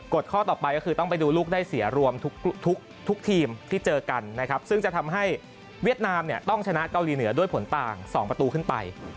ข้อต่อไปก็คือต้องไปดูลูกได้เสียรวมทุกทีมที่เจอกันนะครับซึ่งจะทำให้เวียดนามเนี่ยต้องชนะเกาหลีเหนือด้วยผลต่าง๒ประตูขึ้นไป